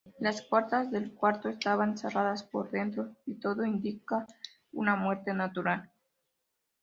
Las puertas del cuarto estaban cerradas por dentro y todo indica una muerte natural.